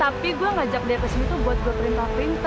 gak ada hak dong lo ngajak dia kesini buat gue perintah perintah